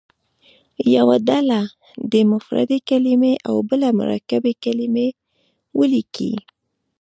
یوه ډله دې مفردې کلمې او بله مرکبې کلمې ولیکي.